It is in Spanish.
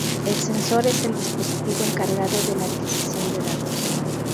El sensor es el dispositivo encargado de la adquisición de datos.